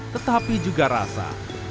tetapi juga rasa